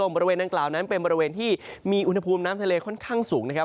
บริเวณดังกล่าวนั้นเป็นบริเวณที่มีอุณหภูมิน้ำทะเลค่อนข้างสูงนะครับ